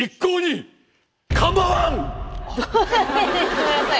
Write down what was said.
ごめんなさい。